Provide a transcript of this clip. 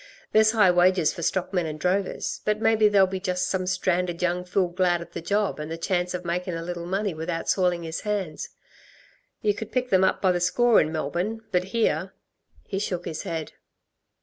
There's high wages for stockmen and drovers. But maybe there'll be just some stranded young fool glad of the job and the chance of makin' a little money without soiling his hands. You could pick them up by the score in Melbourne, but here " He shook his head.